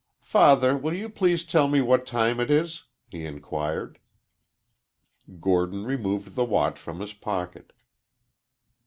"Father, will you please tell me what time it is?" he inquired. Gordon removed the watch from his pocket.